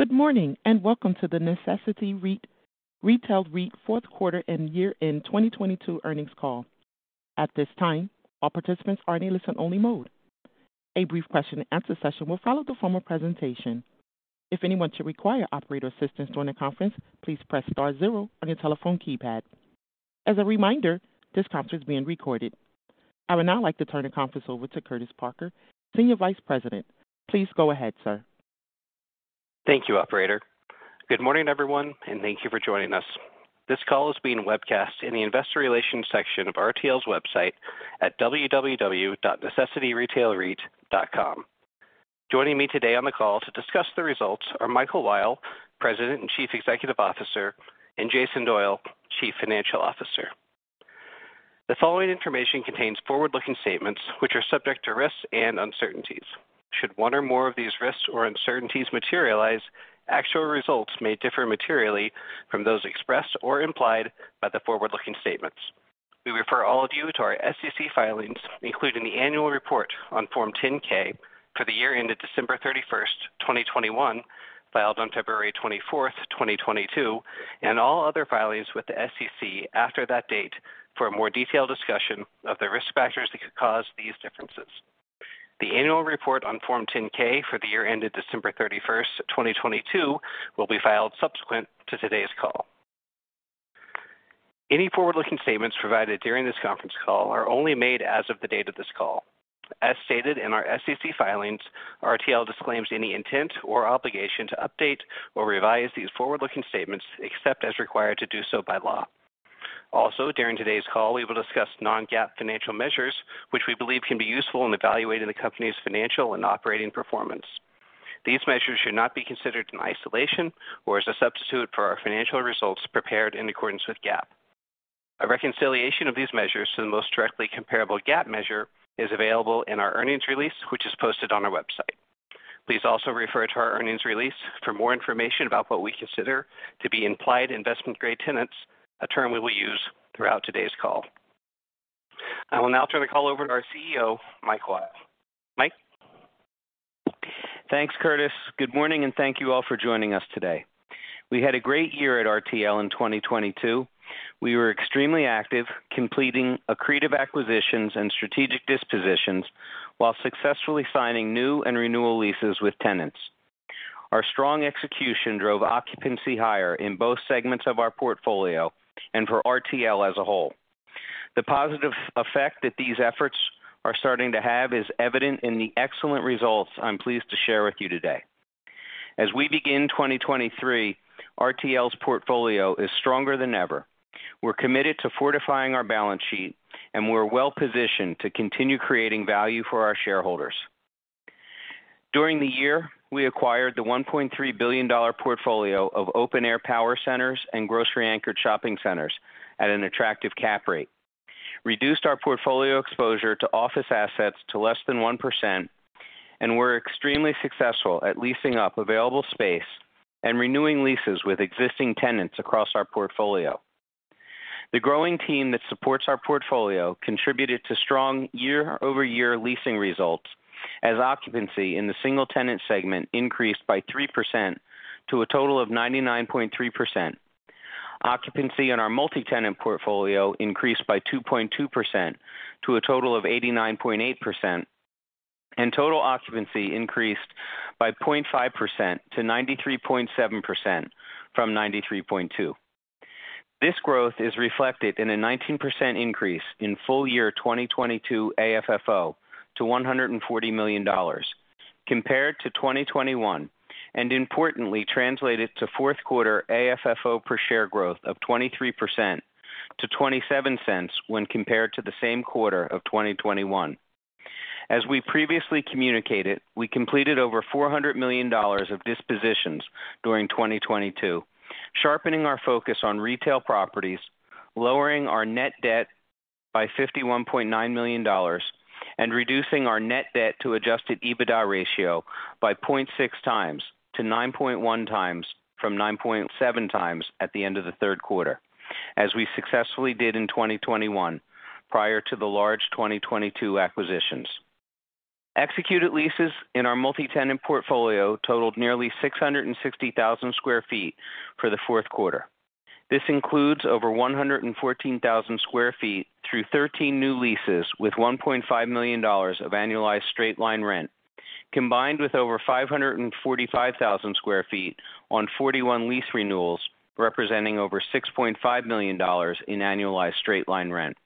Good morning, and welcome to The Necessity Retail REIT fourth quarter and year-end 2022 earnings call. At this time, all participants are in a listen-only mode. A brief question and answer session will follow the formal presentation. If anyone should require operator assistance during the conference, please press Star zero on your telephone keypad. As a reminder, this conference is being recorded. I would now like to turn the conference over to Curtis Parker, Senior Vice President. Please go ahead, sir. Thank you, operator. Good morning, everyone, thank you for joining us. This call is being webcast in the investor relations section of RTL's website at www.necessityretailreit.com. Joining me today on the call to discuss the results are Michael Weil, President and Chief Executive Officer, and Jason Doyle, Chief Financial Officer. The following information contains forward-looking statements which are subject to risks and uncertainties. Should one or more of these risks or uncertainties materialize, actual results may differ materially from those expressed or implied by the forward-looking statements. We refer all of you to our SEC filings, including the annual report on Form 10-K for the year ended December 31, 2021, filed on February 24, 2022, and all other filings with the SEC after that date for a more detailed discussion of the risk factors that could cause these differences. The annual report on Form 10-K for the year ended December 31st, 2022, will be filed subsequent to today's call. Any forward-looking statements provided during this conference call are only made as of the date of this call. As stated in our SEC filings, RTL disclaims any intent or obligation to update or revise these forward-looking statements except as required to do so by law. During today's call, we will discuss non-GAAP financial measures, which we believe can be useful in evaluating the company's financial and operating performance. These measures should not be considered in isolation or as a substitute for our financial results prepared in accordance with GAAP. A reconciliation of these measures to the most directly comparable GAAP measure is available in our earnings release, which is posted on our website. Please also refer to our earnings release for more information about what we consider to be implied investment-grade tenants, a term we will use throughout today's call. I will now turn the call over to our CEO, Mike Weil. Mike? Thanks, Curtis. Good morning, and thank you all for joining us today. We had a great year at RTL in 2022. We were extremely active, completing accretive acquisitions and strategic dispositions while successfully signing new and renewal leases with tenants. Our strong execution drove occupancy higher in both segments of our portfolio and for RTL as a whole. The positive effect that these efforts are starting to have is evident in the excellent results I'm pleased to share with you today. As we begin 2023, RTL's portfolio is stronger than ever. We're committed to fortifying our balance sheet, and we're well-positioned to continue creating value for our shareholders. During the year, we acquired the $1.3 billion portfolio of open air power centers and grocery-anchored shopping centers at an attractive cap rate, reduced our portfolio exposure to office assets to less than 1%, and we're extremely successful at leasing up available space and renewing leases with existing tenants across our portfolio. The growing team that supports our portfolio contributed to strong year-over-year leasing results as occupancy in the single-tenant segment increased by 3% to a total of 99.3%. Occupancy in our multi-tenant portfolio increased by 2.2% to a total of 89.8%, and total occupancy increased by 0.5% to 93.7% from 93.2%. This growth is reflected in a 19% increase in full year 2022 AFFO to $140 million compared to 2021, and importantly translated to fourth quarter AFFO per share growth of 23% to $0.27 when compared to the same quarter of 2021. As we previously communicated, we completed over $400 million of dispositions during 2022, sharpening our focus on retail properties, lowering our net debt by $51.9 million, and reducing our net debt to adjusted EBITDA ratio by 0.6 times to 9.1 times from 9.7 times at the end of the third quarter, as we successfully did in 2021 prior to the large 2022 acquisitions. Executed leases in our multi-tenant portfolio totaled nearly 660,000 sq ft for the fourth quarter. This includes over 114,000 sq ft through 13 new leases with $1.5 million of annualized straight-line rent, combined with over 545,000 sq ft on 41 lease renewals, representing over $6.5 million in annualized straight-line rent.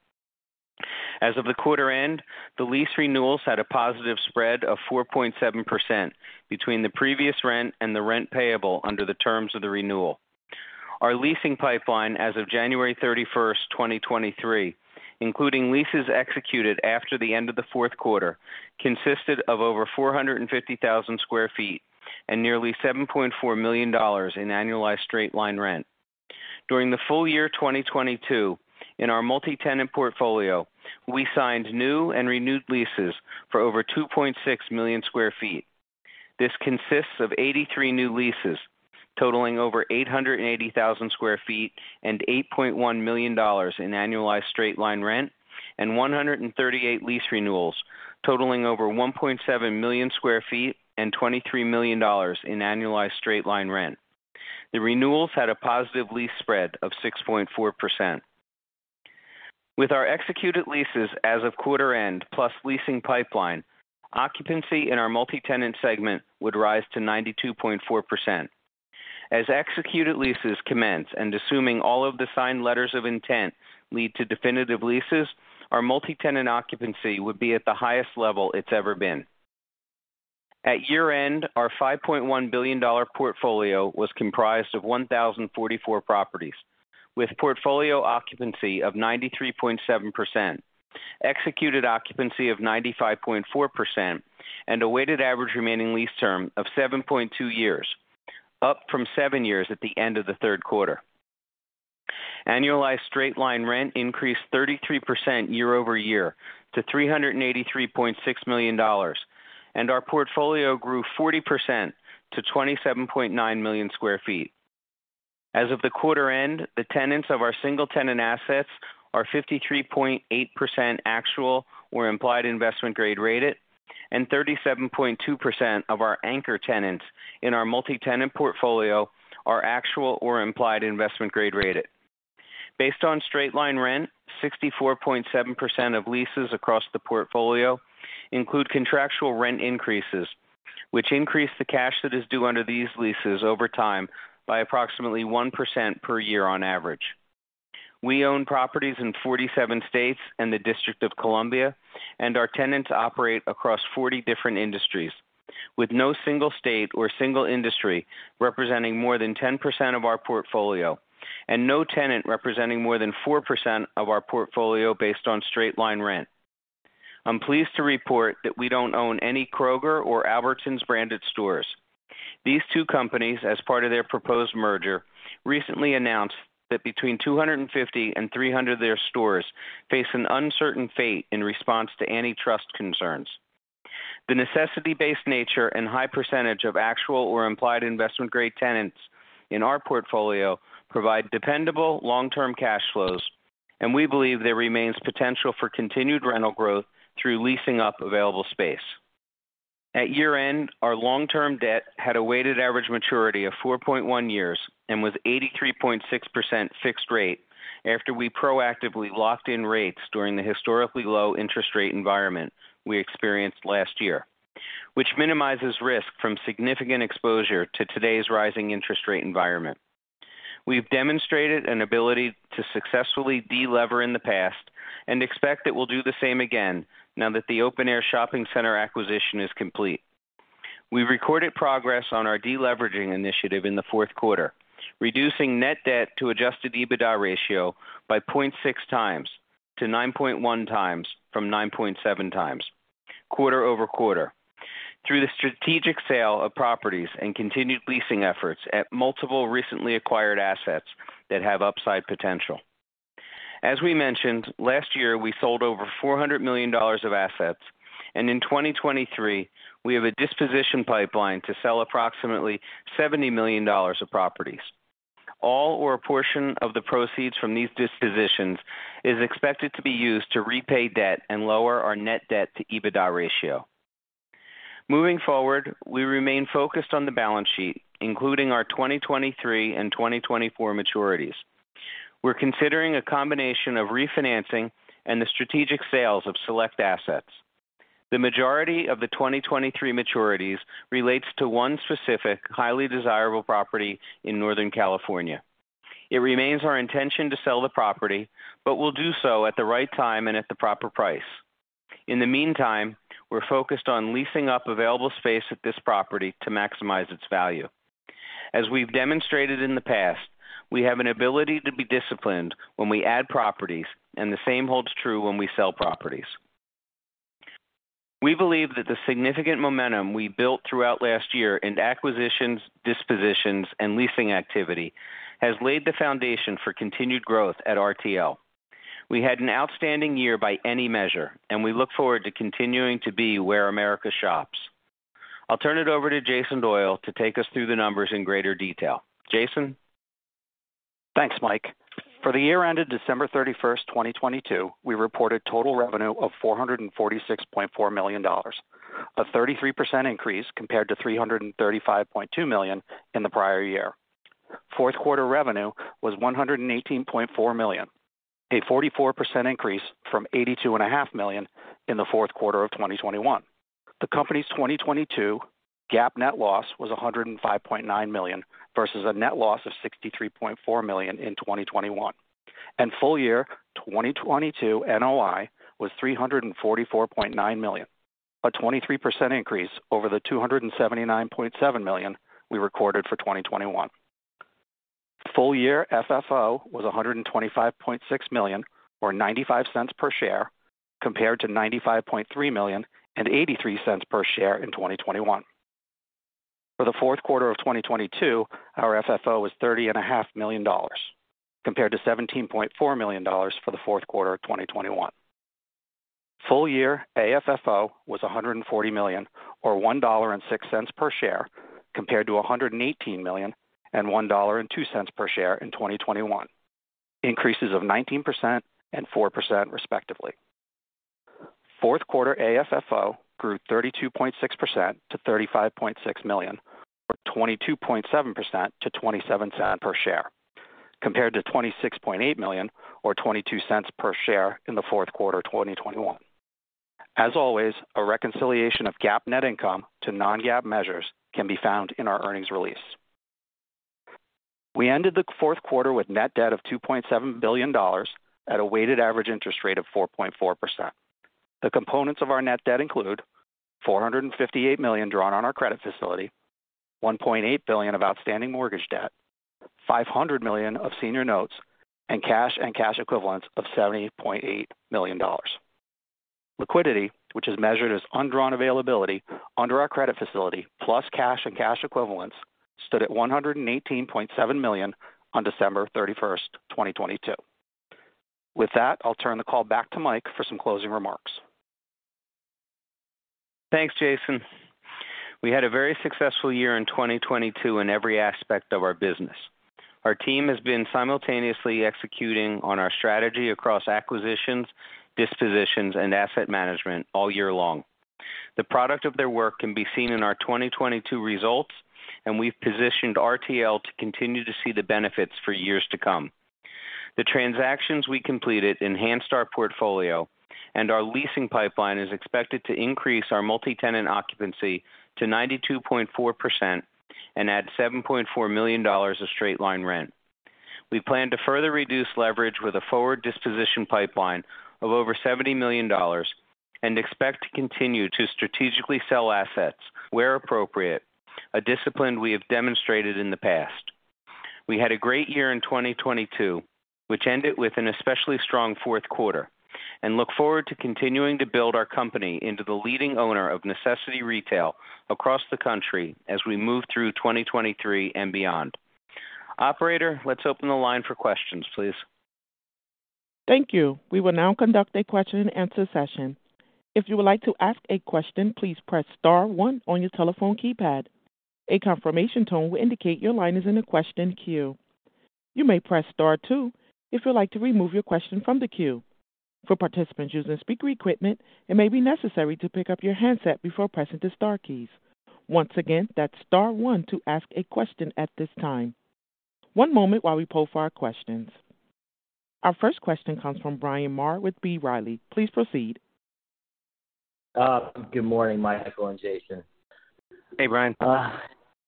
As of the quarter end, the lease renewals had a positive spread of 4.7% between the previous rent and the rent payable under the terms of the renewal. Our leasing pipeline as of January 31, 2023, including leases executed after the end of the fourth quarter, consisted of over 450,000 sq ft and nearly $7.4 million in annualized straight-line rent. During the full year 2022, in our multi-tenant portfolio, we signed new and renewed leases for over 2.6 million sq ft. This consists of 83 new leases totaling over 880,000 sq ft and $8.1 million in annualized straight-line rent. 138 lease renewals totaling over 1.7 million sq ft and $23 million in annualized straight-line rent. The renewals had a positive lease spread of 6.4%. With our executed leases as of quarter end plus leasing pipeline, occupancy in our multi-tenant segment would rise to 92.4%. As executed leases commence and assuming all of the signed letters of intent lead to definitive leases, our multi-tenant occupancy would be at the highest level it's ever been. At year-end, our $5.1 billion portfolio was comprised of 1,044 properties with portfolio occupancy of 93.7%, executed occupancy of 95.4%, and a weighted average remaining lease term of 7.2 years, up from seven years at the end of the third quarter. annualized straight-line rent increased 33% year-over-year to $383.6 million. Our portfolio grew 40% to 27.9 million sq ft. As of the quarter end, the tenants of our single-tenant assets are 53.8% actual or implied investment-grade rated and 37.2% of our anchor tenants in our multi-tenant portfolio are actual or implied investment-grade rated. Based on straight-line rent, 64.7% of leases across the portfolio include contractual rent increases, which increase the cash that is due under these leases over time by approximately 1% per year on average. We own properties in 47 states and the District of Columbia, and our tenants operate across 40 different industries, with no single state or single industry representing more than 10% of our portfolio and no tenant representing more than 4% of our portfolio based on straight-line rent. I'm pleased to report that we don't own any Kroger or Albertsons branded stores. These two companies, as part of their proposed merger, recently announced that between 250 and 300 of their stores face an uncertain fate in response to antitrust concerns. The necessity-based nature and high percentage of actual or implied investment-grade tenants in our portfolio provide dependable long-term cash flows, and we believe there remains potential for continued rental growth through leasing up available space. At year-end, our long-term debt had a weighted average maturity of 4.1 years and was 83.6% fixed rate after we proactively locked in rates during the historically low interest rate environment we experienced last year, which minimizes risk from significant exposure to today's rising interest rate environment. We've demonstrated an ability to successfully de-lever in the past and expect that we'll do the same again now that the open air shopping center acquisition is complete. We recorded progress on our de-leveraging initiative in the fourth quarter, reducing net debt to Adjusted EBITDA ratio by 0.6x to 9.1x from 9.7x quarter-over-quarter through the strategic sale of properties and continued leasing efforts at multiple recently acquired assets that have upside potential. As we mentioned, last year, we sold over $400 million of assets, and in 2023, we have a disposition pipeline to sell approximately $70 million of properties. All or a portion of the proceeds from these dispositions is expected to be used to repay debt and lower our net debt to EBITDA ratio. Moving forward, we remain focused on the balance sheet, including our 2023 and 2024 maturities. We're considering a combination of refinancing and the strategic sales of select assets. The majority of the 2023 maturities relates to one specific highly desirable property in Northern California. It remains our intention to sell the property, but we'll do so at the right time and at the proper price. In the meantime, we're focused on leasing up available space at this property to maximize its value. As we've demonstrated in the past, we have an ability to be disciplined when we add properties, and the same holds true when we sell properties. We believe that the significant momentum we built throughout last year in acquisitions, dispositions, and leasing activity has laid the foundation for continued growth at RTL. We had an outstanding year by any measure, and we look forward to continuing to be where America shops. I'll turn it over to Jason Doyle to take us through the numbers in greater detail. Jason? Thanks, Michael Weil. For the year ended December 31, 2022, we reported total revenue of $446.4 million, a 33% increase compared to $335.2 million in the prior year. Fourth quarter revenue was $118.4 million, a 44% increase from eighty-two and a half million in the fourth quarter of 2021. The company's 2022 GAAP net loss was $105.9 million versus a net loss of $63.4 million in 2021. Full year 2022 NOI was $344.9 million, a 23% increase over the $279.7 million we recorded for 2021. Full year FFO was $125.6 million or $0.95 per share compared to $95.3 million and $0.83 per share in 2021. For the fourth quarter of 2022, our FFO was $30.5 million Compared to $17.4 million for the fourth quarter of 2021. Full year AFFO was $140 million, or $1.06 per share, compared to $118 million and $1.02 per share in 2021. Increases of 19% and 4% respectively. Fourth quarter AFFO grew 32.6% to $35.6 million, or 22.7% to $0.27 per share, compared to $26.8 million or $0.22 per share in the fourth quarter 2021. As always, a reconciliation of GAAP net income to non-GAAP measures can be found in our earnings release. We ended the fourth quarter with net debt of $2.7 billion at a weighted average interest rate of 4.4%. The components of our net debt include $458 million drawn on our credit facility, $1.8 billion of outstanding mortgage debt, $500 million of senior notes, and cash and cash equivalents of $70.8 million. Liquidity, which is measured as undrawn availability under our credit facility plus cash and cash equivalents, stood at $118.7 million on December 31, 2022. With that, I'll turn the call back to Mike for some closing remarks. Thanks, Jason. We had a very successful year in 2022 in every aspect of our business. Our team has been simultaneously executing on our strategy across acquisitions, dispositions, and asset management all year long. The product of their work can be seen in our 2022 results. We've positioned RTL to continue to see the benefits for years to come. The transactions we completed enhanced our portfolio. Our leasing pipeline is expected to increase our multi-tenant occupancy to 92.4% and add $7.4 million of straight-line rent. We plan to further reduce leverage with a forward disposition pipeline of over $70 million and expect to continue to strategically sell assets where appropriate, a discipline we have demonstrated in the past. We had a great year in 2022, which ended with an especially strong fourth quarter, and look forward to continuing to build our company into the leading owner of necessity retail across the country as we move through 2023 and beyond. Operator, let's open the line for questions, please. Thank you. We will now conduct a question and answer session. If you would like to ask a question, please press star one on your telephone keypad. A confirmation tone will indicate your line is in the question queue. You may press star two if you'd like to remove your question from the queue. For participants using speaker equipment, it may be necessary to pick up your handset before pressing the star keys. Once again, that's star one to ask a question at this time. One moment while we poll for our questions. Our first question comes from Bryan Maher with B. Riley. Please proceed. Good morning, Michael and Jason. Hey, Bryan. A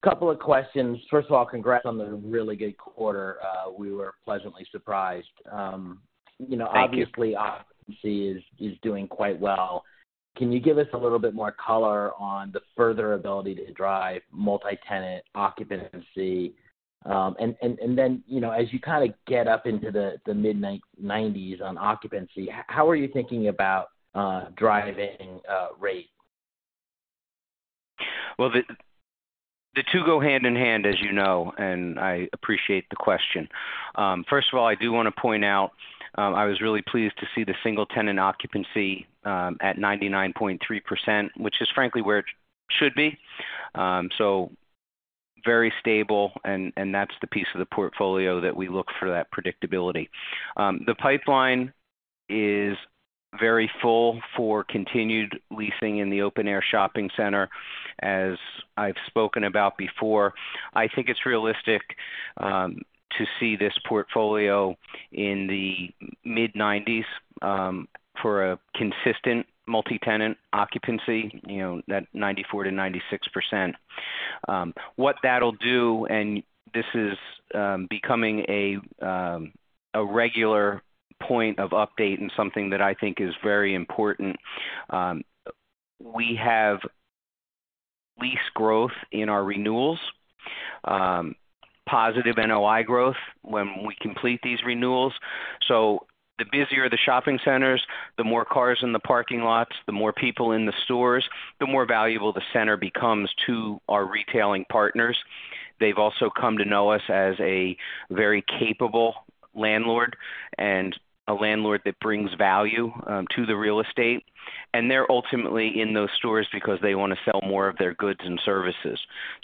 couple of questions. First of all, congrats on the really good quarter. We were pleasantly surprised. You know. Thank you.... obviously, occupancy is doing quite well. Can you give us a little bit more color on the further ability to drive multi-tenant occupancy? And then, you know, as you kind of get up into the mid-90s on occupancy, how are you thinking about driving rate? Well, the two go hand in hand, as you know, and I appreciate the question. First of all, I do want to point out, I was really pleased to see the single tenant occupancy at 99.3%, which is frankly where it should be. So very stable and that's the piece of the portfolio that we look for that predictability. The pipeline is very full for continued leasing in the open air shopping center. As I've spoken about before, I think it's realistic to see this portfolio in the mid-90s for a consistent multi-tenant occupancy, you know, that 94%-96%. What that'll do, and this is, becoming a regular point of update and something that I think is very important, we have lease growth in our renewals, positive NOI growth when we complete these renewals. The busier the shopping centers, the more cars in the parking lots, the more people in the stores, the more valuable the center becomes to our retailing partners. They've also come to know us as a very capable landlord and a landlord that brings value to the real estate. They're ultimately in those stores because they want to sell more of their goods and services.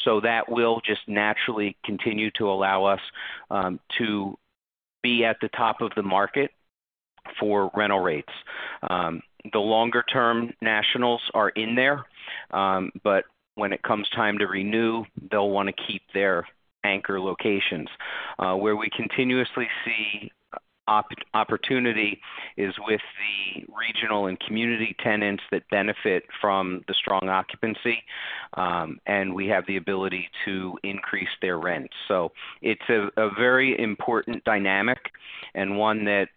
That will just naturally continue to allow us to be at the top of the market for rental rates. The longer-term nationals are in there, when it comes time to renew, they'll want to keep their anchor locations. Where we continuously see opportunity is with the regional and community tenants that benefit from the strong occupancy, and we have the ability to increase their rent. It's a very important dynamic and one that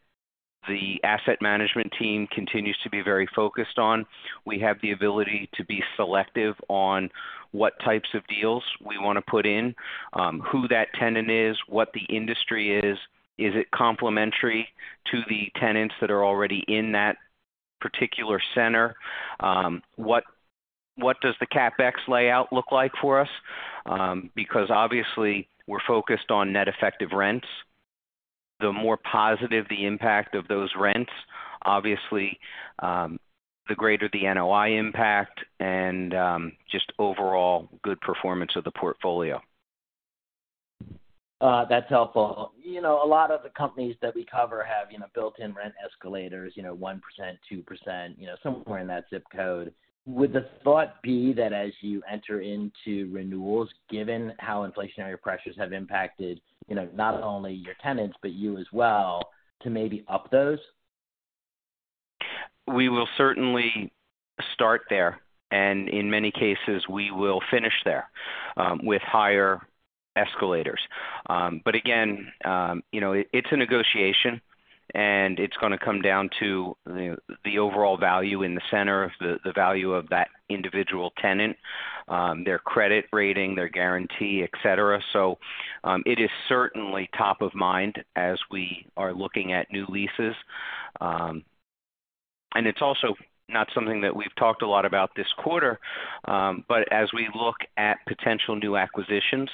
the asset management team continues to be very focused on. We have the ability to be selective on what types of deals we want to put in, who that tenant is, what the industry is. Is it complementary to the tenants that are already in that particular center? What does the CapEx layout look like for us? Because obviously we're focused on net effective rents. The more positive the impact of those rents, obviously, the greater the NOI impact and, just overall good performance of the portfolio. That's helpful. You know, a lot of the companies that we cover have, you know, built-in rent escalators, you know, 1%, 2%, you know, somewhere in that zip code. Would the thought be that as you enter into renewals, given how inflationary pressures have impacted, you know, not only your tenants but you as well, to maybe up those? We will certainly start there, and in many cases, we will finish there with higher escalators. Again, you know, it's a negotiation, and it's gonna come down to the overall value in the center of the value of that individual tenant, their credit rating, their guarantee, et cetera. It is certainly top of mind as we are looking at new leases. It's also not something that we've talked a lot about this quarter, but as we look at potential new acquisitions,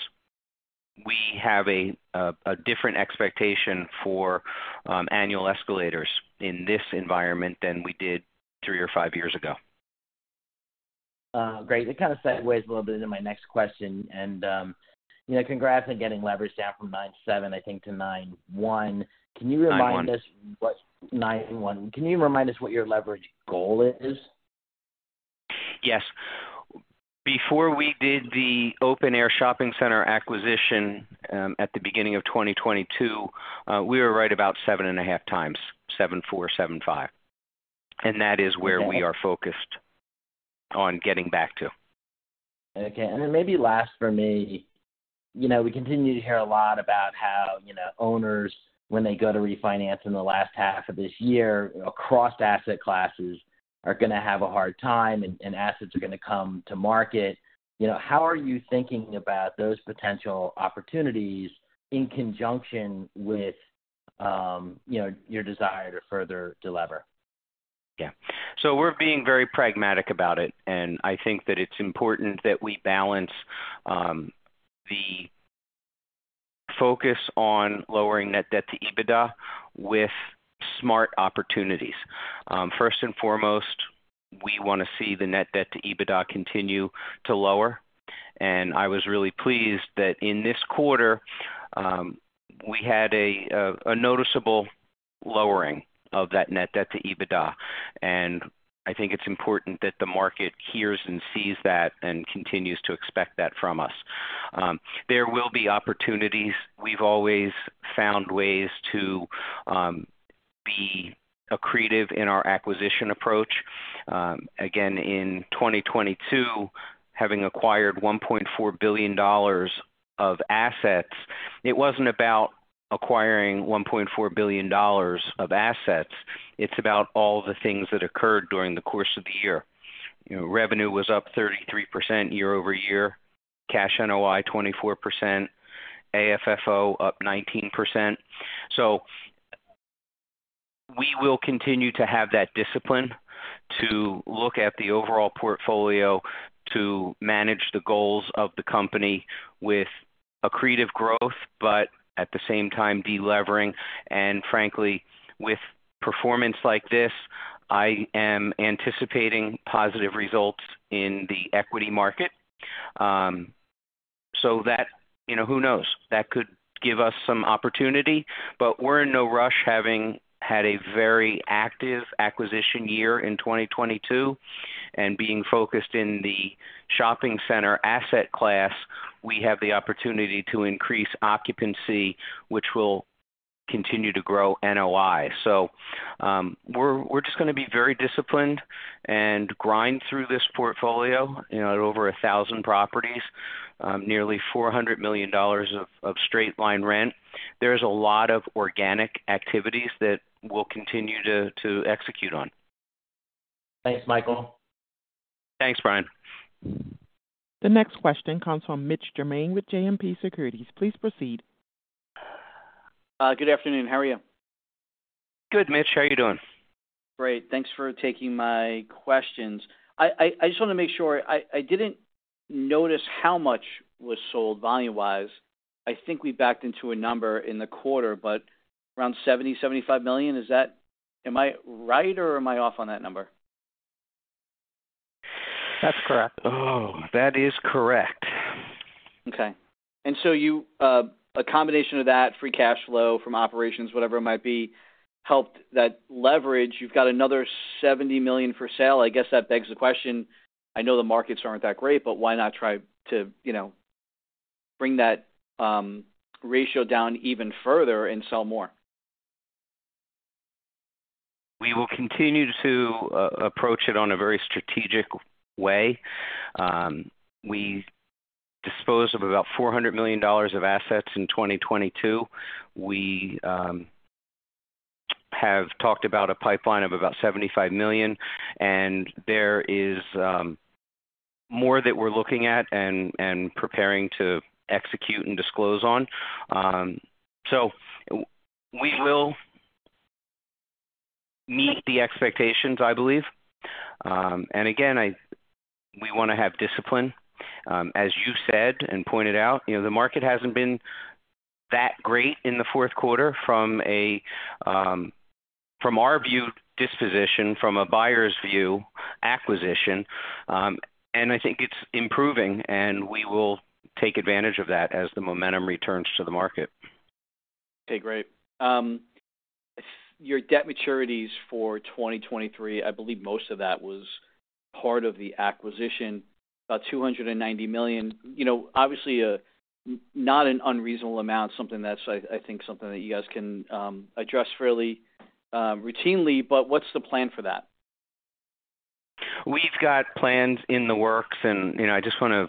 we have a different expectation for annual escalators in this environment than we did three or five years ago. Great. It kind of sideways a little bit into my next question and, you know, congrats on getting leverage down from 9.7, I think, to 9.1. Nine one. Nine one. Can you remind us what your leverage goal is? Yes. Before we did the open-air shopping center acquisition, at the beginning of 2022, we were right about 7.5x, 7.4x, 7.5x. That is where we are focused on getting back to. Okay. Maybe last for me. You know, we continue to hear a lot about how, you know, owners when they go to refinance in the last half of this year across asset classes are going to have a hard time, and assets are going to come to market. You know, how are you thinking about those potential opportunities in conjunction with, you know, your desire to further delever? Yeah. We're being very pragmatic about it, and I think that it's important that we balance the focus on lowering net debt to EBITDA with smart opportunities. First and foremost, we wanna see the net debt to EBITDA continue to lower. I was really pleased that in this quarter, we had a noticeable lowering of that net debt to EBITDA. I think it's important that the market hears and sees that and continues to expect that from us. There will be opportunities. We've always found ways to be accretive in our acquisition approach. Again, in 2022, having acquired $1.4 billion of assets, it wasn't about acquiring $1.4 billion of assets, it's about all the things that occurred during the course of the year. You know, revenue was up 33% year over year, cash NOI 24%, AFFO up 19%. We will continue to have that discipline to look at the overall portfolio to manage the goals of the company with accretive growth, but at the same time, delevering. Frankly, with performance like this, I am anticipating positive results in the equity market. You know, who knows? That could give us some opportunity. We're in no rush having had a very active acquisition year in 2022. Being focused in the shopping center asset class, we have the opportunity to increase occupancy, which will continue to grow NOI. We're just gonna be very disciplined and grind through this portfolio. You know, at over 1,000 properties, nearly $400 million of straight-line rent. There's a lot of organic activities that we'll continue to execute on. Thanks, Michael. Thanks, Bryan. The next question comes from Mitch Germain with JMP Securities. Please proceed. Good afternoon. How are you? Good, Mitch. How are you doing? Great. Thanks for taking my questions. I just wanna make sure. I didn't notice how much was sold volume-wise. I think we backed into a number in the quarter, but around $70 million-$75 million. Am I right, or am I off on that number? That's correct. Oh, that is correct. Okay. You, a combination of that free cash flow from operations, whatever it might be, helped that leverage. You've got another $70 million for sale. I guess that begs the question, I know the markets aren't that great, but why not try to, you know, bring that ratio down even further and sell more? We will continue to approach it on a very strategic way. We disposed of about $400 million of assets in 2022. We have talked about a pipeline of about $75 million, and there is more that we're looking at and preparing to execute and disclose on. We will meet the expectations, I believe. Again, we wanna have discipline. As you said and pointed out, you know, the market hasn't been that great in the fourth quarter from a from our view disposition, from a buyer's view acquisition. I think it's improving, and we will take advantage of that as the momentum returns to the market. Okay, great. Your debt maturities for 2023, I believe most of that was part of the acquisition, about $290 million. You know, obviously, not an unreasonable amount, something that's, I think something that you guys can address fairly, routinely. What's the plan for that? We've got plans in the works, and, you know, I just wanna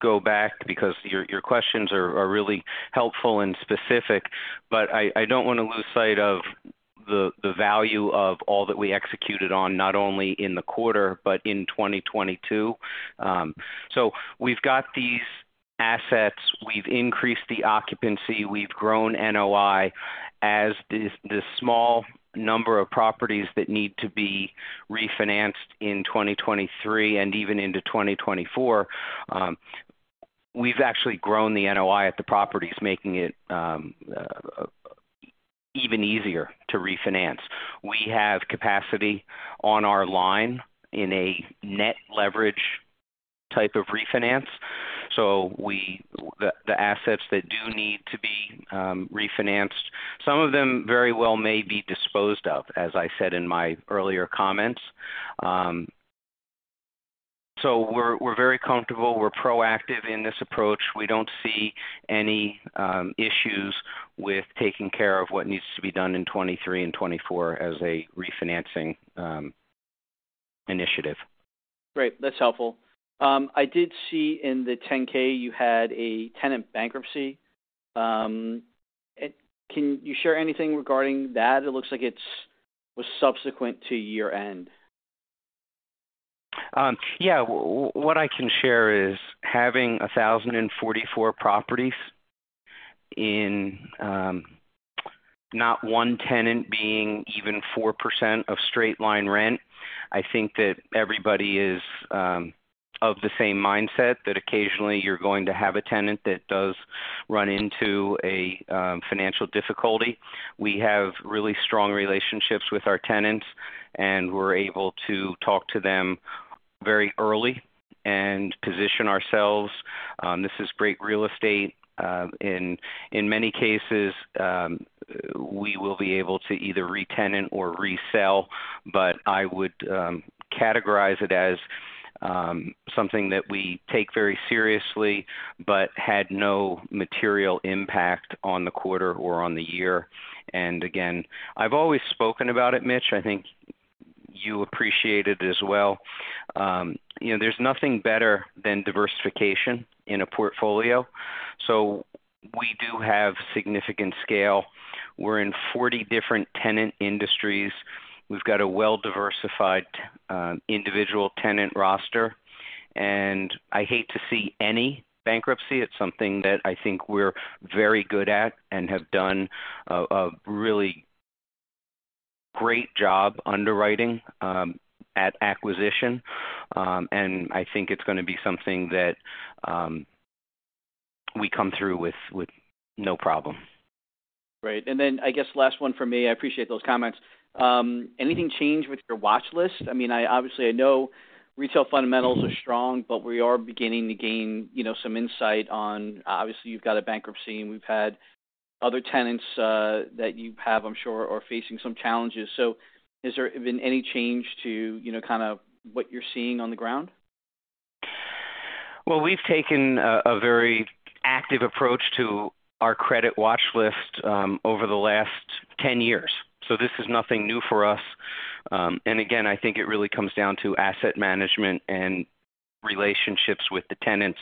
go back because your questions are really helpful and specific, but I don't wanna lose sight of the value of all that we executed on, not only in the quarter, but in 2022. We've got these assets. We've increased the occupancy. We've grown NOI. As the small number of properties that need to be refinanced in 2023 and even into 2024, we've actually grown the NOI at the properties, making it even easier to refinance. We have capacity on our line in a net leverage type of refinance. The assets that do need to be refinanced, some of them very well may be disposed of, as I said in my earlier comments. We're very comfortable. We're proactive in this approach. We don't see any issues with taking care of what needs to be done in 2023 and 2024 as a refinancing initiative. Great. That's helpful. I did see in the 10-K you had a tenant bankruptcy. Can you share anything regarding that? It looks like it's was subsequent to year-end. Yeah. What I can share is having 1,044 properties in not one tenant being even 4% of straight-line rent, I think that everybody is of the same mindset that occasionally you're going to have a tenant that does run into a financial difficulty. We have really strong relationships with our tenants, and we're able to talk to them very early and position ourselves. This is great real estate. In many cases, we will be able to either retenant or resell. I would categorize it as something that we take very seriously but had no material impact on the quarter or on the year. Again, I've always spoken about it, Mitch. I think you appreciate it as well. You know, there's nothing better than diversification in a portfolio, so we do have significant scale. We're in 40 different tenant industries. We've got a well-diversified individual tenant roster. I hate to see any bankruptcy. It's something that I think we're very good at and have done a really great job underwriting at acquisition. I think it's gonna be something that we come through with no problem. Right. I guess last one for me. I appreciate those comments. Anything change with your watch list? I mean, I obviously I know retail fundamentals are strong, but we are beginning to gain, you know, some insight on obviously you've got a bankruptcy and we've had other tenants, that you have, I'm sure are facing some challenges. Has there been any change to, you know, kind of what you're seeing on the ground? Well, we've taken a very active approach to our credit watch list over the last 10 years, so this is nothing new for us. Again, I think it really comes down to asset management and relationships with the tenants.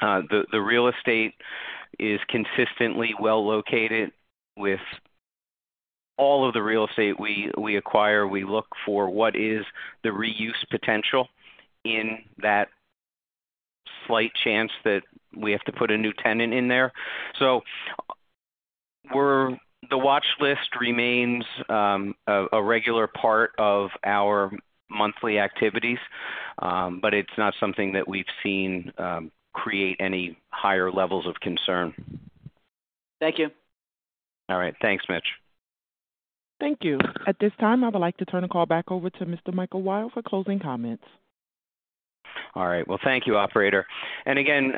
The real estate is consistently well located. With all of the real estate we acquire, we look for what is the reuse potential in that slight chance that we have to put a new tenant in there. The watch list remains a regular part of our monthly activities, but it's not something that we've seen create any higher levels of concern. Thank you. All right. Thanks, Mitch. Thank you. At this time, I would like to turn the call back over to Mr. Michael Weil for closing comments. All right. Well, thank you, operator. Again,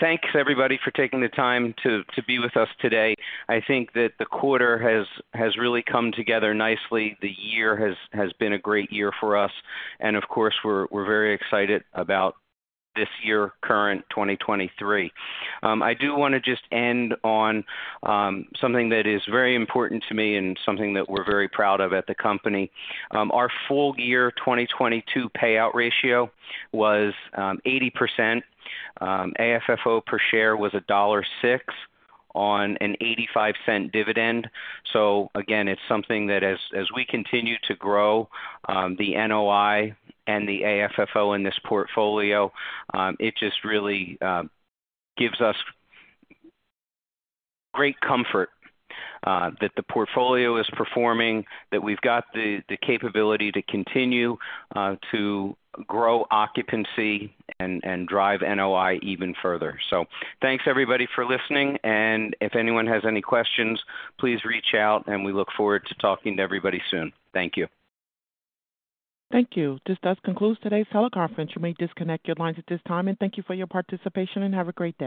thanks everybody for taking the time to be with us today. I think that the quarter has really come together nicely. The year has been a great year for us, and of course we're very excited about this year current 2023. I do wanna just end on something that is very important to me and something that we're very proud of at the company. Our full year 2022 payout ratio was 80%. AFFO per share was $1.06 on an $0.85 dividend. Again, it's something that as we continue to grow, the NOI and the AFFO in this portfolio, it just really gives us great comfort that the portfolio is performing, that we've got the capability to continue to grow occupancy and drive NOI even further. Thanks everybody for listening, and if anyone has any questions, please reach out, and we look forward to talking to everybody soon. Thank you. Thank you. This does conclude today's teleconference. You may disconnect your lines at this time, and thank you for your participation and have a great day.